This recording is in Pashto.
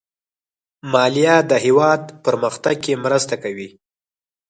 مالیه د هېواد پرمختګ کې مرسته کوي.